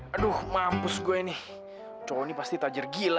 aduh mampus gue nih cowok ini pasti tajir gila